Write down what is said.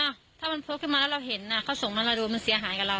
อ่ะถ้ามันโพสต์ขึ้นมาแล้วเราเห็นอ่ะเขาส่งมาเราดูมันเสียหายกับเรา